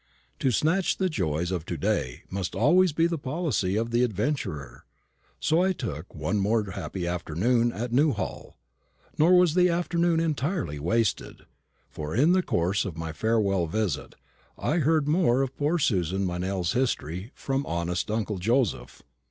To snatch the joys of to day must always be the policy of the adventurer. So I took one more happy afternoon at Newhall. Nor was the afternoon entirely wasted; for, in the course of my farewell visit, I heard more of poor Susan Meynell's history from honest uncle Joseph.